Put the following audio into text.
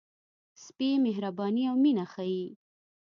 سپي مهرباني او مینه ښيي.